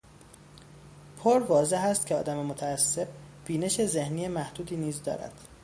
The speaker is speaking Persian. پر واضح است که آدم متعصب، بینش ذهنی محدودی نیز دارد.